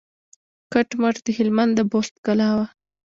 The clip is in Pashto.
کټ مټ د هلمند د بست کلا وه.